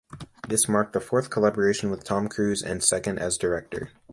This marked the fourth collaboration with Tom Cruise and second as director.